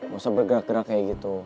gak usah bergerak gerak kayak gitu